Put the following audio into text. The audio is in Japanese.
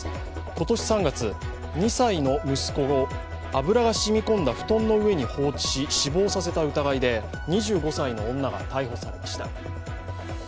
今年３月、２歳の息子を油が染み込んだ布団の上に放置し死亡させた疑いで、２５歳の女が逮捕されました。